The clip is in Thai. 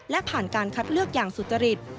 และผ่านการคัดเลือกอย่างสุจริต